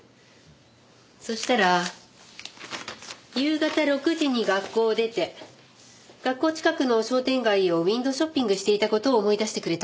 そしたら夕方６時に学校を出て学校近くの商店街をウィンドーショッピングしていた事を思い出してくれたんです。